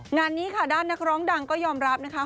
งานนี้ค่ะด้านนักร้องดังก็ยอมรับนะคะ